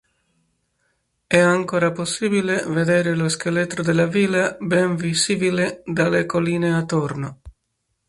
È ancora possibile vedere lo scheletro della villa, ben visibile dalle colline attorno.